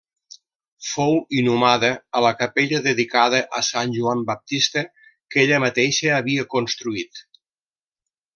Fou inhumada a la capella dedicada a Sant Joan Baptista que ella mateixa havia construït.